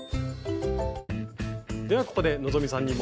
ではここで希さんに問題です。